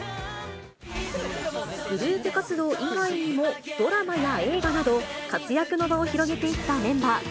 グループ活動以外にもドラマや映画など、活躍の場を広げていったメンバー。